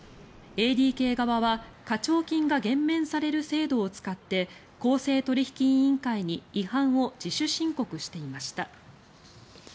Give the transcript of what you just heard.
ＡＤＫ側は課徴金が減免される制度を使って公正取引委員会に違反を自主申告していました。